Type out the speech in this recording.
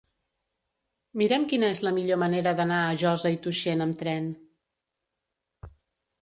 Mira'm quina és la millor manera d'anar a Josa i Tuixén amb tren.